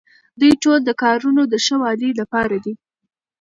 دوی ټول د کارونو د ښه والي لپاره دي.